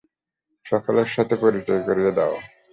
সকলের সাথে পরিচয় করিয়ে দাও।